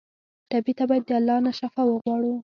ټپي ته باید د الله نه شفا وغواړو.